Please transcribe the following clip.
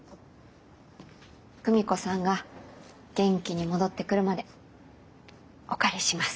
久美子さんが元気に戻ってくるまでお借りします。